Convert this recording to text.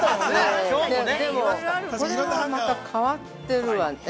でも、これはまた変わってるわね。